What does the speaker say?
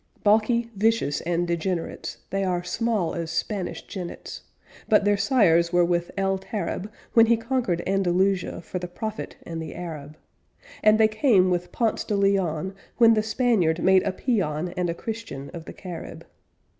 Balky, vicious, and degenerates, They are small as Spanish jennets, But their sires were with El Tarab, When he conquered Andalusia For the Prophet and the Arab; And they came with Ponce de Leon, When the Spaniard made a peon And a Christian of the Carib.